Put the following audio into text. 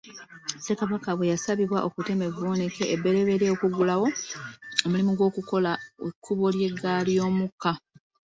Ssekabaka bwe yasabibwa okutema evvuunike ebbereberye okuggulawo omulimu gw'okukola ekkubo ly'eggaali y'omukka.